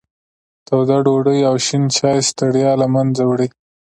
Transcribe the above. توده ډوډۍ او شین چای ستړیا له منځه وړي.